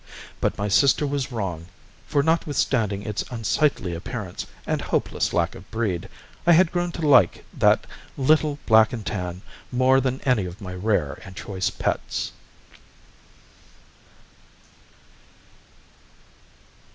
But my sister was wrong, for notwithstanding its unsightly appearance and hopeless lack of breed, I had grown to like that little black and tan more than any of my rare and choice pets."